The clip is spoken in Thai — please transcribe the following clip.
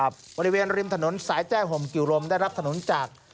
บริเวณริมถนนสายแจ้ห่มกิวลมได้รับถนนจาก